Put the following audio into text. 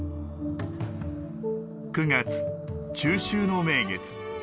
９月、中秋の名月。